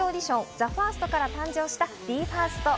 ＴＨＥＦＩＲＳＴから誕生したＢＥ：ＦＩＲＳＴ。